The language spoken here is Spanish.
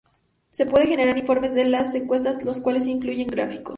Se pueden generar informes de las encuestas los cuales incluyen gráficos.